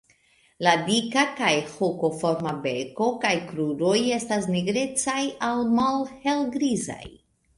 La dika kaj hokoforma beko kaj kruroj estas nigrecaj al malhelgrizaj.